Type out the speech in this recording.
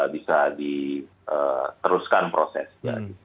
bisa diteruskan prosesnya